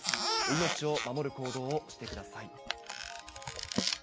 命を守る行動をしてください。